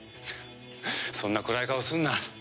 そんな暗い顔すんな。